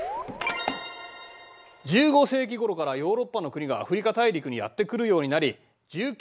１５世紀ごろからヨーロッパの国がアフリカ大陸にやって来るようになり１９